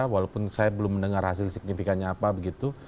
walaupun saya belum mendengar hasil signifikannya apa begitu